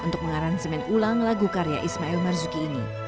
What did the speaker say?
untuk mengaransimen ulang lagu karya ismail marzuki ini